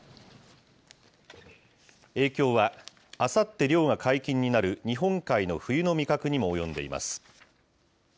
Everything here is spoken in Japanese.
影響は、あさって漁が解禁になる、日本海の冬の味覚にも及んでいます。